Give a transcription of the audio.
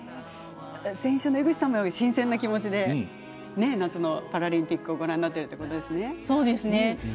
井口さんのように新鮮な気持ちで夏のパラリンピックをご覧になってるということですね。